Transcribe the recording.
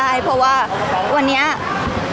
พี่ตอบได้แค่นี้จริงค่ะ